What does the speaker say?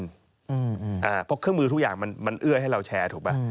เพราะเครื่องมือทุกอย่างมันเอื้อให้เราแชร์ถูกป่ะ